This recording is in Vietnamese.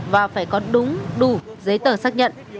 và phải có đúng đủ giấy tờ xác nhận